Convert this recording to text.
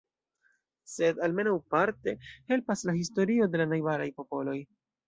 Sed, almenaŭ parte, helpas la historio de la najbaraj popoloj.